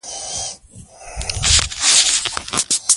څوک د امان الله خان په اړه معلومات لري؟